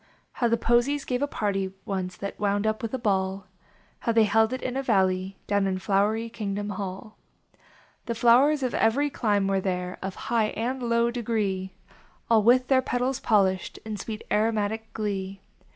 I low the posies gave a party once That wound up with a ball, How they held it in a valley, Down in " Flowery Kingdom Hall. The flowers of every clime were there. Of high and low degree. All with their petals polished, In sweet aromatic glee.